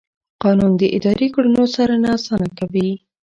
قانون د اداري کړنو څارنه اسانه کوي.